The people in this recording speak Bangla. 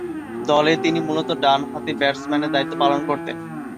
দলে তিনি মূলতঃ ডানহাতি ব্যাটসম্যানের দায়িত্ব পালন করতেন।